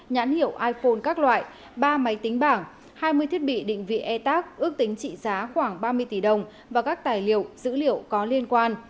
nhãn hiệu iphone các loại ba máy tính bảng hai mươi thiết bị định vị e tac ước tính trị giá khoảng ba mươi tỷ đồng và các tài liệu dữ liệu có liên quan